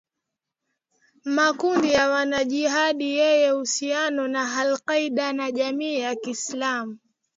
makundi ya wanajihadi yenye uhusiano na al-Qaeda na jamii ya kiislamu